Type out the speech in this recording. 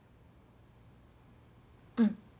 うん。